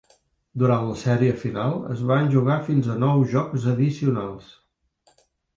Durant la sèrie final es van jugar fins a nou jocs addicionals.